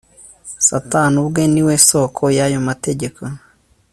Satani ubwe ni we soko yayo mategeko